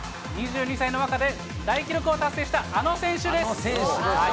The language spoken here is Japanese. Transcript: ２２歳の若さで大記録を達成したあの選手です。